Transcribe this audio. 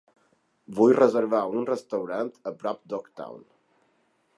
Vull reservar un restaurant a prop d'Oaktown.